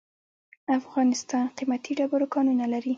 افغانستان قیمتي ډبرو کانونه لري.